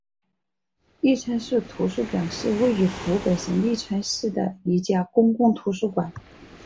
利川市图书馆是位于湖北省利川市的一家公共图书馆。